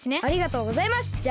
ありがとうございます！